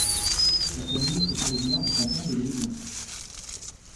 Sa famille est originaire du canton des Grisons.